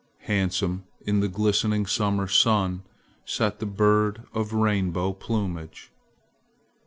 Handsome in the glistening summer sun sat the bird of rainbow plumage.